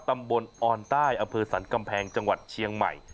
ตำบลออนใต้อำเภอสรรกำแพงจังหวัดเชียงใหม่